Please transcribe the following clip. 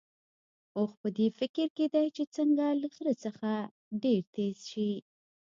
اوښ په دې فکر کې دی چې څنګه له خره څخه ډېر تېز شي.